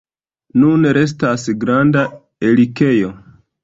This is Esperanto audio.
Nun restas granda erikejo.